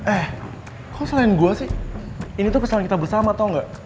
eh kok selain gue sih ini tuh pesan kita bersama atau enggak